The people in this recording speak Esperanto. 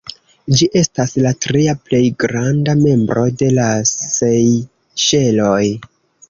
Ĝi estas la tria plej granda membro de la Sejŝeloj.